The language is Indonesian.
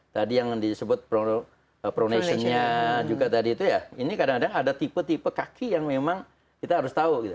tadi yang disebut pronation nya juga tadi itu ya ini kadang kadang ada tipe tipe kaki yang memang kita harus tahu gitu